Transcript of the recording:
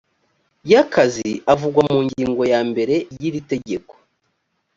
y akazi avugwa mu ngingo ya mbere y iritegeko